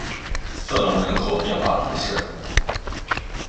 瑟隆人口变化图示